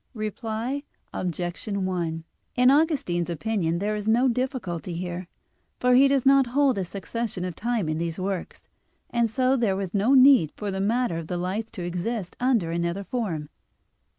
Reply Obj. 1: In Augustine's opinion there is no difficulty here; for he does not hold a succession of time in these works, and so there was no need for the matter of the lights to exist under another form.